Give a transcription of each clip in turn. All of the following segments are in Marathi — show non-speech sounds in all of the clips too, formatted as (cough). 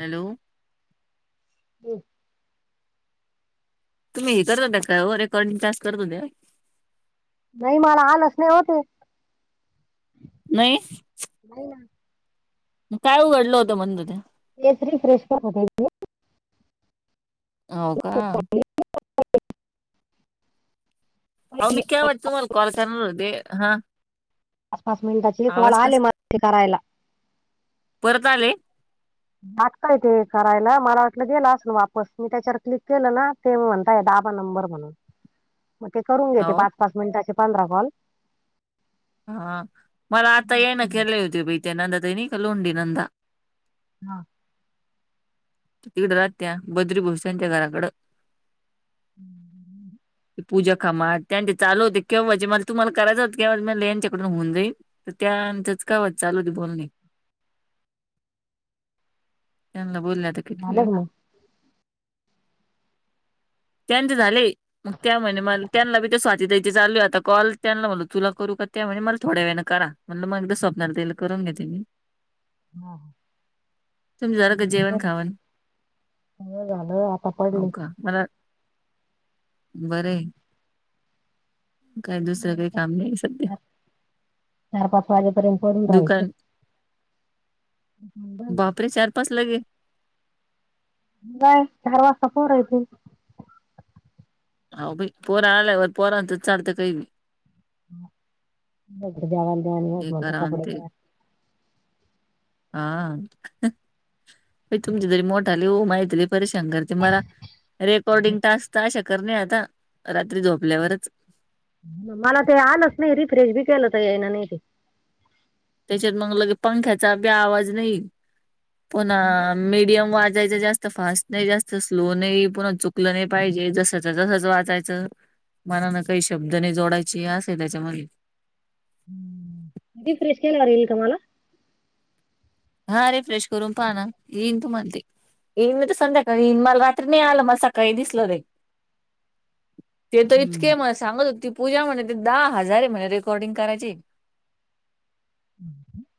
हॅलो हो तुम्ही हे करता त्या काय वरे करं तस करत हो द्या नाही मला हाल असले होते नाही नाही ना काय उघडलं होतं म्हण त ते पस्टरी फ्रेश का होताे हो का अ मी पहिले काय वाटत तुम्हाला कॉल करणार हो दे हा पाच पाच मिनिटाचे कॉल आवाज आले कस म ते करायला परत आले नाटकाय तेे करायला मला वाटलं गेलं असल वापस मी त्याच्यावर क्लिक केलं ना तेेम म्हणताय दहाबा नंबर म्हणून (inaudible) मग ते करून घेते हो पाच पाच मिनिटाचे पंधरा कॉल हा मला आता या ना केले होते बहि त्या नंदा त नाही का लोंडी नंदा हा तिकडे राहत त्या्या बद्री भोसच्या घराकडं हम्म पूजा कामा त्यांनी चालू होते केव्हाजे मला तुम्हाला करायंच होतं केव्हा म यांच्याकडून होऊन जाईल. तर त्यानंतरच काय वात चालू होती बोलणे त्यांना बोलण्यात आता किती वेळ झालं मग त्यांंचे झाले. मग त्या म्हणे म त्यांना बी ते स्वाती ताईची चालू आहे आता कॉल त्यांना म्हला तुला करू का त्या म्हणे मला थोड्या वेळा करा. म्हणलं माग स्वप्नाली ताईला करून घेते मी हा ह तुमचं झालं का जेवण हम् खावण ना झालं आता हो पडले मला बर आहे. काय दुसरं काही आता काम नाही सध्या च चार पाच वाजेपर्यंत करून राहायचं. दुकान बस. बापरे चार पाच लगे काय चार वाजता पोर येतील. हाव बाई फोन आल्यावर पोरांचं चालतय काय बी जावा द्याणी हस हे म तर करा अन कपडे ते पय (inaudible) हा प तुमची तरी मोठाली आहे वो माझी तर बर शंकरते मला रेकॉर्डिंग टास्क तर अशा कर नाही आता रात्री झोपल्यावरच मला ते आलंच नाही रिफ्रेश बी केलं तर येईना नाही त्याच्यात मग लगे पंख्याचा बी आवाज नाही नाही पुन्हा मीडियम वाजायचा जास्त फास्ट नाही जास्त स्लो नाही पुन्हा चुकलं नाही पाहिजे जसच तसच वाचायचं. मनाने काही शब्द नाही जोडायची असे आहे त्याच्यामध्ये रीफ्रेश केल्यावर येईल का मग हा रीफ्रेश करून पहा ना येईल तूम्हाला ते येईन मी तर संध्याकाईन मला रात्री नाही आलं मला सकाळी दिसलं ते ते तर इतके जाऊ म सांगत होती पूजा म्हणे ते दहा हजार आहे म्हणे रेकॉर्डिंग करायची. (inaudible)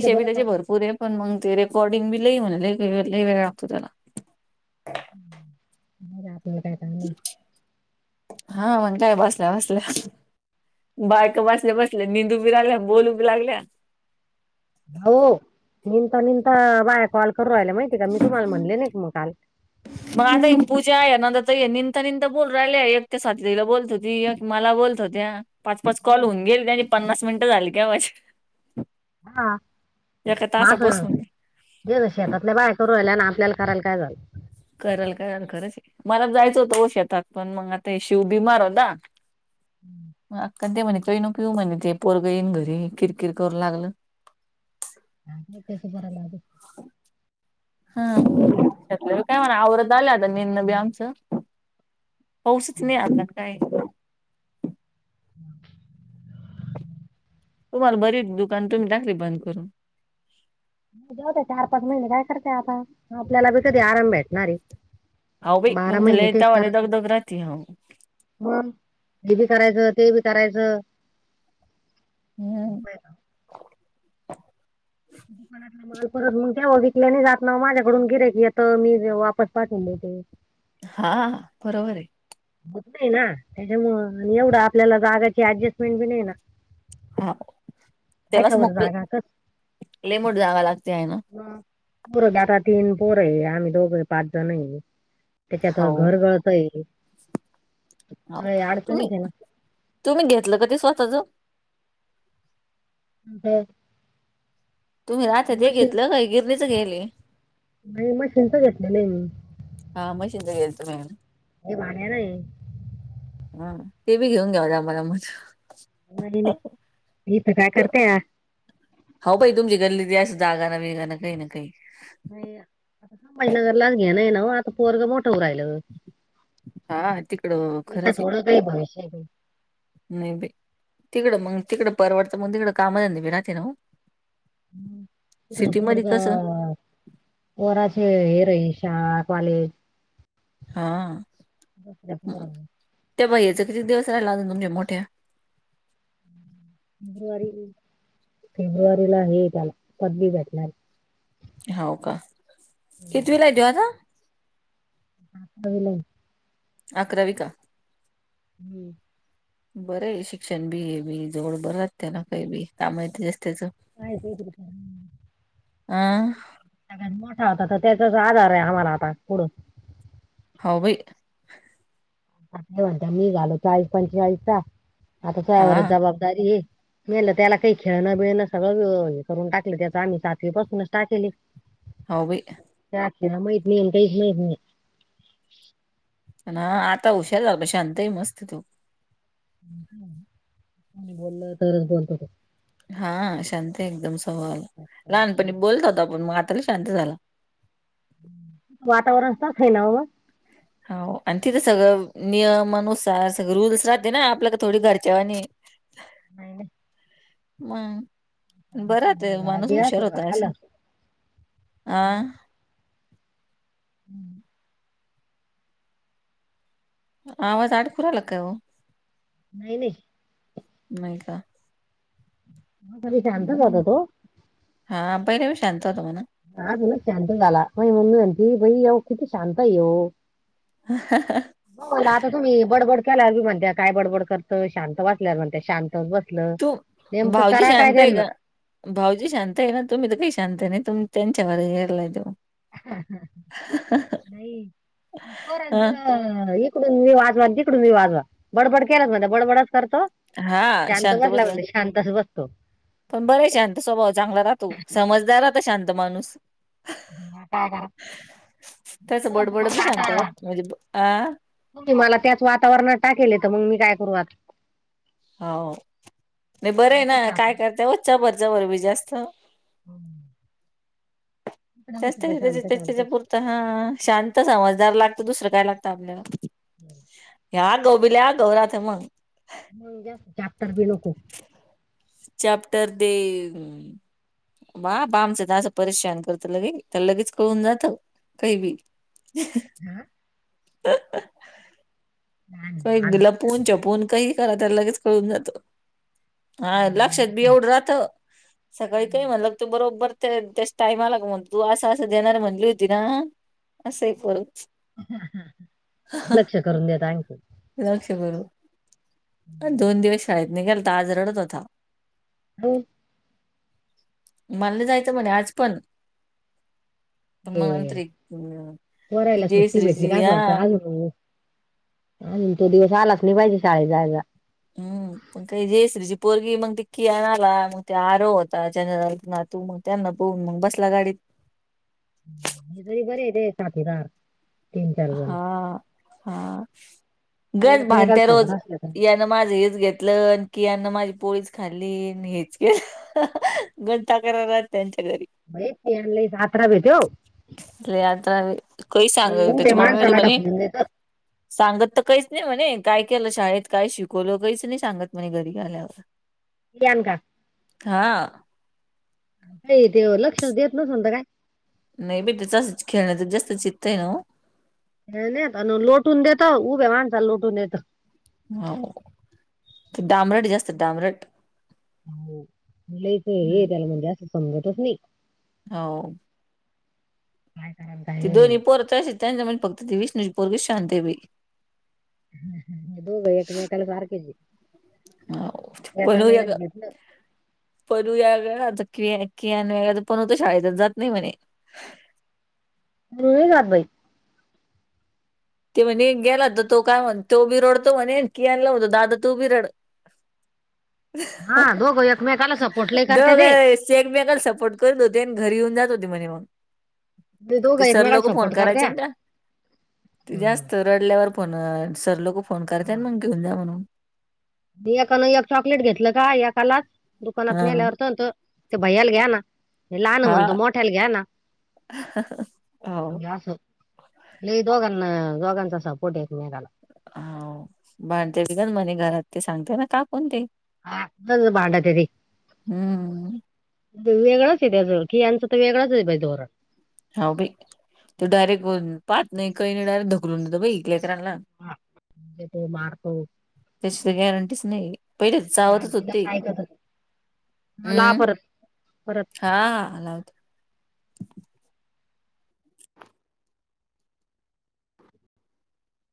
दे बी बरं का त्याचे भरपूर आहे पण मग ते रेकॉर्डिंग बी लई म्हणाले ल वेळ लागतो त्याला (inaudible) नाही आपल काय नाही हा मण काय बसल्या बसल्या बायका बसल्या बसल्या निंदू बी लागल्या, बोलू बी लागल्या. हो निनता निनता बाया कॉल करू राहिला माहिती का मी तुम्हाला म्हणले नाही मग काल मग आता ही पूजा आहे ना निंतता निंतता बोल राहि एकट्या साथी तईला बोलतो ती मला बोलत होत्या पाच पाच कॉल होऊन गेल त्यानी पन्नास मिनिटं झाली का माझ्या हा माझ हे ना शेतातल्या बाय करू राहिल्या ना आपल्याला करायला काय जात कराल कराल खरंच मला जायचं होतं हो शेतात पण मग आता शिव बी मार हो दा अक्का ते म्हणे (unintelligible) येऊ म्हणे ते पोरग येईन घरी किरकिर करू लागलं. काय माहीत तस कराय लागलं हा त्यात काय म्हणा आवरत आला आता मेनन बी आमचं पाऊसच नाही आग काय (inaudible) तुम्हाला बरी दुकान तुम्ही टाकली बंद करून वत चार पाच महिने काय करतेय आता आपल्याला बी कधी आराम भेटणार हे हाव बाई तुमचे लई त्यावाला दग दग राहते हाव ह हे बी करायचं ते बी करायचं हम्म, त माल परत मग ते बघिकल्याने जात ना माझ्याकडून गिरे की आ मी वापस पाठवून बते हा बरोबर आहे. होत नाही ना, त्याच्यामु एवढं आपल्याला जागाची ऍडजस्टमेंट बी नाही ना. हा त्यालाच ऐका बरं मोक जागा लेमड जाव लागते आहे ना, पोर आता तीन पोर आहे. आम्ही दोघ पाच जण आहे. त्याच्यात हो घरगळत आहे. हो सगळे तुम्ही अडचणीच आहे तुम्ही घेतलं कधी स्वतःच बरं तुम्ही राहत ते घेतलं काय गिरनीच घ्यायले? नाही मशीनच घेतलेल हाय मी हा मशीनच घ्यायच तुम्ही हे भाड्यानं आहे हा ते बी घेऊन द्या आम्हाला मग (unintelligible) हित काय करते हो, भा तुमची गल्लीस जागा ना वेगा ना काही ना काही नाही आता संभाजनगरलाच घेण ना आता पोरग मोठंवर राहिलं. हा तिकडं हे खरंच तर ोडं काय भवष्य नाहीे बी तिकडं मग तिकडं परवडतं मग तिकडं काम भिरती ना. हम्म तिकडं सिटीमध्ये पोरगा कसं पोराचे हे राही शाळा कॉलेज हा दुसऱ्या पोरांना त्या बाईच ह्याच तरी दिवसा लागल तुमच्या मोठ्या फेब्रुवारी फेब्रुवारीला हे त्याला पदवी भेटणार ये. होवं का कितीवीला त्यो आता आकरावीला आहे. अकरावी का. हो बरं आहे शिक्षण बी हे बी जवळ बरं असत ना काय बी कामा येतं जास्तिच काय (unintelligible) आं सगळ्यात मोठा होता त त्याचाच आधार आहे आम्हाला आता पुढ. होवं बाई. आता ते म्हणता मी झालो चाळीस पंचेचाळीस चा आता हा तुवावरचं जबाबदारी ये. मी म्हणलं त्याला काय खेळणं बिळणं सगळं हे करून टाकलं त्याच आम्ही सातवी पासूनच टाकेलय. हाव बई. त्याला खेळा माहित नाही ना काहीच माहित नाई. अनं आता हुशार झाला शांतय मस्त तो कुणी बोलल तरच बोलतो तो. हा शांत एकदम स्वभावाला लहानपणी बोलत होता पण म आता का शांत झाला. वातावरण तस हाय ना ओ हो आणि तिथं सगळं नियमानुसार सगळं रूल्स राहते. ना आपल्याक थोडी घरच्यावानी (unintelligible) नाय नाय. मंग बर हा नाही ते या माणूस घरात या हुशार सगळं होता असे आलं आ हम्म. आवाज आडकूरायला काय हो. नाही नाही. नाही का? मं तसा शांतच हम्म. होता तो. हा पहिला बी शांत होता म्हणा अजूनच शांत झाला पाहिलं म्हणती (unintelligible) भाऊ कीती शांत हाय ह्यो. (unintelligible) मं म्हणलं आता तुम्ही बडबड केल्यावर बी म्हणत्या काय बडबड करत शांत बसल्यावर म्हणत्या शांत बस म्हंटल तू नेमकं भाऊजी करा काय शांत आहे त्यांलन. का भाऊजी शांत हाय ना तुम्ही तर काय शांत आहे नाही तुम्ही त्यांच्यावर गेरलाय तो. नाई पण पोरांच हं, अ इकडून मी वाजवा आणि तिकडून मी वाजवा बडबड केलं तर म्हणतो बडबडच करतो. शांत बसला म्हणे शांतचं बसतो. पण बरे शांत स्वभाव चांगला राहतो समजदार राहत शांत माणूस. मं काय करा. त्यासं हं, बडबड बी शांत होत म्हणजे ब अ म्हणतो मला त्याच वातावरणात टाकेले तर मंग मी काय करू आत हो मग बरं आहे शांतच ना काय राहतो करता वच्या भरच्या भर बी जास्त हम. त्याच त्याच त्या शांत शांत त्याच्यापुरत हा शांत समजदार लागत दुसरं काय लागतं आपल्यावर हम् ह्या गोबील्या गौराात मग म्या सच्यााततरपिनुक चॅप्टर दे वा बामचं असं परेशान करत लगे तर लगेच कळून जातं काही बी हा ह नाही, लपून चपून काही करा त्याला लगेच कळून जातो हा लक्षात बी आज एवढं राहत सकाळी काही म्हणलंग तो बरोबर तर त्याच्या टायमाला म्हणत तू असं असं देणारी म्हणली होती ना असं परू लक्ष करून द्या थँक्यू विनाक्षे गुर दोन दिवस शाळेत निघेलता आज रडत होता हम् म्हणलं जायचं म्हणे आज पण पण मग नंतर ए एक अं कोरायला सुट्टी भेटली का जयश्रीची अस हा वाटतं आज आणि तो दिवस आलाच नाही पाहिजे शाळेत जायला हम् पण काही जस्रीची पोरगी मग तिकी आणला मग ते आरो होता ज ना तू मग त्यांना बोहून मग बसला गाडीत हे तरी बर आहे ते साथीदार तीन चार जण हा हा ते गज एकमेकाला भट्या सोबत रोज असले तर या माझं हेच घेतलं की अना माझी पोळीच खाल्ली हेच केलं गण ताकार राहत त्यांच्या घरी भई तेिला सातरा भेटे आ काही ते सांगल उभे त्याच्या मम्मी म माणसाला म्हणे ढकलून देत सांगत तर काहीच नाही म्हणे काय केलं शाळेत काय शिकवलं काहीच नाही सांगत म्हणे घरी आल्यावर (inaudible) प्रियानका हा का देव लक्ष देत नसता काय नाही बे ते त खेळण्याच जास्त चित्त आहे ना नाही लोटून देत उभे माणसा लोटून देत हो ते डामरट जास्त डामरट होलाच हे हम्म त्याला म्हणजे असं समजतच नाही हो ह ती दोन् पोर त त्यां म्हणज फक्त ती विष्ूची पोर शांतबाई ह हो ग एकमेकाल आार केजी ह पण घेतलं परूया वगळा कि कि आणि वेगळ तर पणू तर शाळेत जात नाही म्हणे ातई ते म्हणे गेला तर तो काय म्हण तो बिरडतो म्हणे की आणलात दादा तू बिरड हा दोघं एकमेकाला सपोर्टले दो करते ग ते चेग बेगला सपोर्ट करत होते आणि घरी येऊन जात होते म्हणे मग दोघं ते सर एकमेकाला लोक फोन सपोर्ट करायचे करत्या त्या ते हम्म. जास्त रडल्यावर फोन सर लोक फोन करत आणि मग घेऊन जा म्हणून मी एकानं एक चॉकलेट घेतलं का एकालाच दुकानात हा नेल्यावर तरंत ते भयाला घ्या ना लहान हा म्हणतो मोठ्याला घ्या ना हो अस हे दोघांना दोघांचा सपोट येत मेगला हो भांडते बिकण म्हणे घरात ते सांगते ना का कोण ते ह पाांड तेरी हम्म. वेगळाच आहे त्याच खियांचं तर वेगळाच आहे पाहिज धोरण होाई तेो डायरेक्ट पाहात नाही काही नाही डायरेक्ट ढकलून देत बाई इकल्याकर्रांला हा त मारतो त्याची तर गॅरंटीच नाही पहिले त्या चावतच होते ह ला हम्म परत परत हा आलात